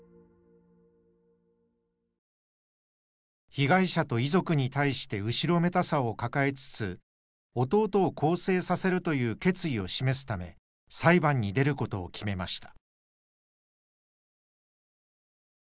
被害者と遺族に対して後ろめたさを抱えつつ弟を更生させるという決意を示すため裁判に出ることを決めました。